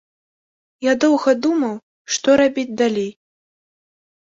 Я доўга думаў, што рабіць далей.